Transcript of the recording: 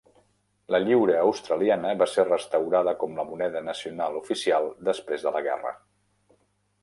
La lliura australiana va ser restaurada com la moneda nacional oficial després de la guerra.